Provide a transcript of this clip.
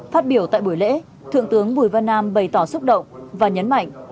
phát biểu tại buổi lễ thượng tướng bùi văn nam bày tỏ xúc động và nhấn mạnh